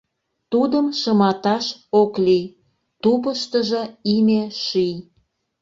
Тудым шыматаш ок лий: Тупыштыжо — име ший.